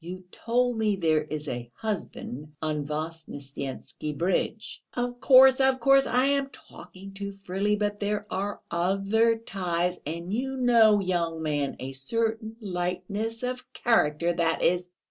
"You told me there is a husband on Voznesensky Bridge...." "Of course, of course, I am talking too freely; but there are other ties! And you know, young man, a certain lightness of character, that is...."